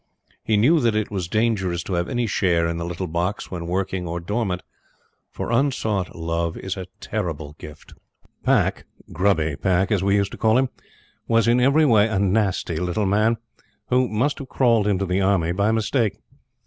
He knew that it was dangerous to have any share in the little box when working or dormant; for unsought Love is a terrible gift. Pack "Grubby" Pack, as we used to call him was, in every way, a nasty little man who must have crawled into the Army by mistake.